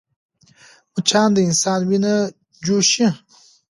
مچان د انسان وینه چوشي